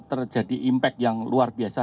terjadi impact yang luar biasa